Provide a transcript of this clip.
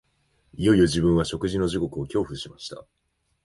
いよいよ自分は食事の時刻を恐怖しました